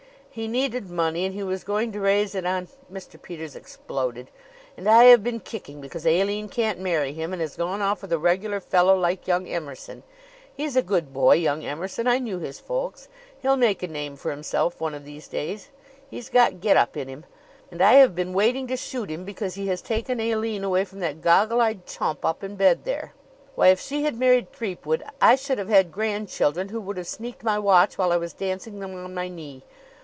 "He needed money and he was going to raise it on " Mr. Peters exploded. "And I have been kicking because Aline can't marry him and has gone off with a regular fellow like young Emerson! He's a good boy young Emerson. I knew his folks. He'll make a name for himself one of these days. He's got get up in him. And I have been waiting to shoot him because he has taken Aline away from that goggle eyed chump up in bed there! "Why, if she had married Threepwood I should have had grandchildren who would have sneaked my watch while I was dancing them on my knee!